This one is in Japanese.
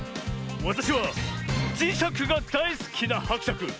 わたしはじしゃくがだいすきなはくしゃく。